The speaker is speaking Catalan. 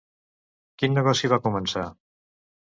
Quin negoci va començar?